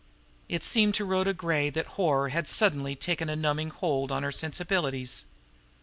It seemed to Rhoda Gray that horror had suddenly taken a numbing hold upon her sensibilities.